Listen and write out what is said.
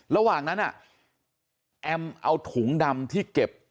ระหว่างนั้นแอมเอาถุงดำที่เก็บ